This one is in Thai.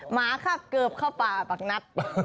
หมาข้าบเกิบเข้าป่าบักนัด